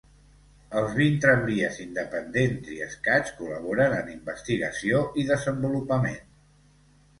Els vint tramvies independents i escaig col·laboren en investigació i desenvolupament.